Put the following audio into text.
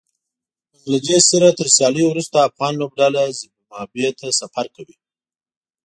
بنګله دېش سره تر سياليو وروسته افغان لوبډله زېمبابوې ته سفر کوي